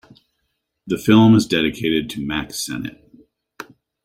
The film is dedicated to Mack Sennett.